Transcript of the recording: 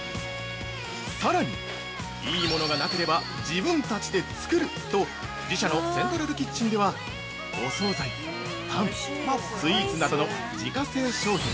さらに「いいものがなければ自分たちで作る！」と自社のセントラルキッチンではお総菜、パン、スイーツなどの自家製商品